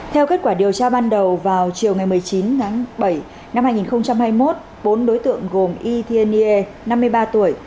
theo kết quả điều tra ban đầu vào chiều một mươi chín bảy hai nghìn hai mươi một bốn đối tượng gồm y thiên nghê năm mươi ba tuổi